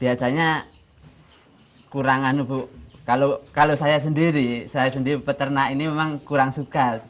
biasanya kurangan bu kalau saya sendiri saya sendiri peternak ini memang kurang suka